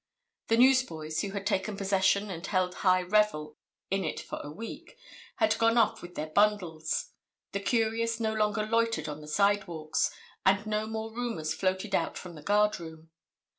The newsboys, who had taken possession and held high revel in it for a week, had gone off with their bundles, the curious no longer loitered on the sidewalks, and no more rumors floated out from the guard room.